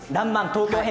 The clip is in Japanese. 東京編